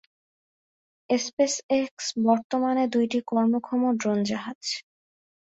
Space x বর্তমানে দুইটি কর্মক্ষম ড্রোন জাহাজ।